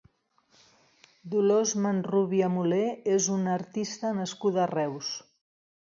Dolors Manrubia Mulé és una artista nascuda a Reus.